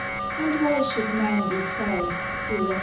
And why should men be sad through loss of me?